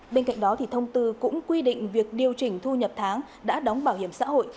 bên cạnh đó thông tư cũng quy định việc điều chỉnh thu nhập tháng đã đóng bảo hiểm xã hội